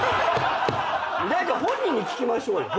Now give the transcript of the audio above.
本人に聞きましょうよ。